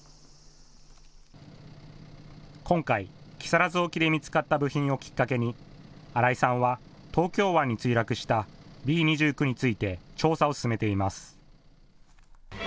今回、木更津沖で見つかった部品をきっかけに新井さんは東京湾に墜落したＢ２９について調査を進めています。